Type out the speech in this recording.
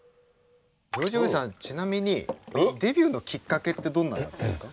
ジョージおじさんちなみにデビューのきっかけってどんなんなんですか？